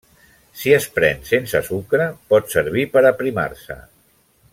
Si es pren sense sucre, pot servir per aprimar-se.